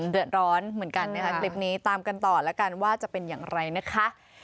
เดือดร้อนเหมือนกันนะคะคลิปนี้ตามกันต่อแล้วกันว่าจะเป็นอย่างไรนะคะ